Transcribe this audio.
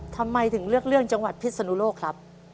ทำไมถึงเลือกเรื่องจังหวัดพิศนุโลกครับ